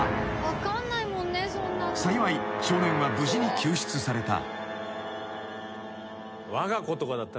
［幸い少年は無事に救出された］